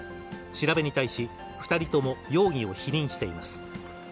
調べに対し、２人とも容疑を否認しています。